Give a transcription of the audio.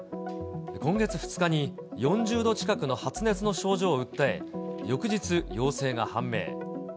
今月２日に、４０度近くの発熱の症状を訴え、翌日、陽性が判明。